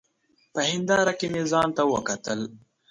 په هېنداره کي مي ځانته وکتل !